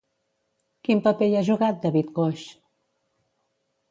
Quin paper hi ha jugat David Coix?